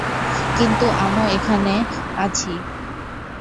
কিন্তু আমও এখন এখানে আছি।